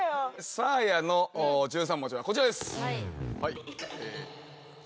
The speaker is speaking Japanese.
サーヤの１３文字はこちらです。